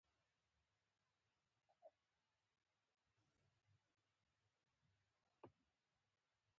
زه له ښاره لرې اوسېږم